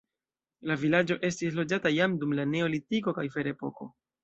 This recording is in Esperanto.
La vilaĝo estis loĝata jam dum la neolitiko kaj ferepoko.